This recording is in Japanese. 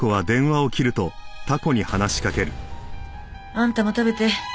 あんたも食べて。